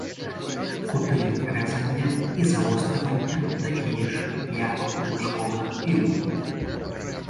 Куты рэзання і завострывання такія ж, як у лучковых піў.